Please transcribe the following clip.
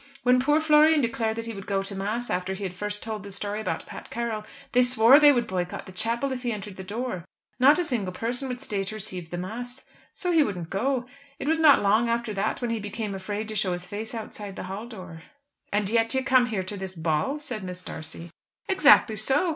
When poor Florian declared that he would go to mass after he had first told the story about Pat Carroll, they swore they would boycott the chapel if he entered the door. Not a single person would stay to receive the mass. So he wouldn't go. It was not long after that when he became afraid to show his face outside the hall door." "And yet you can come here to this ball?" said Mrs. D'Arcy. "Exactly so.